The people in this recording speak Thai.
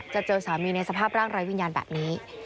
เจอสามีในสภาพร่างไร้วิญญาณแบบนี้